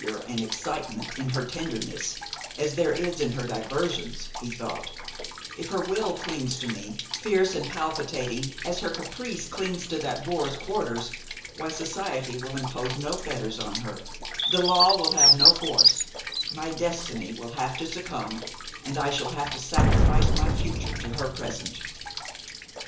Barrie & Son "If there's as much vigor and excitement in her tenderness as there is in her diversions," he thought; "if her will clings to me, fierce and palpitating, as her caprice clings to that boar's quarters, why society will impose no fetters on her, the law will have no force; my destiny will have to succumb and I shall have to sacrifice my future to her present."